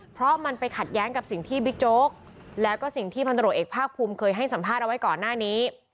เพราะมันไปขัดแย้งกับสิ่งที่บิ๊กโจ๊กแล้วก็สิ่งที่พันตรวจเอกภาคภูมิเคยให้สัมภาษณ์เอาไว้ก่อนหน้านี้